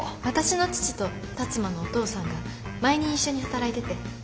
私の父と辰馬のお父さんが前に一緒に働いてて。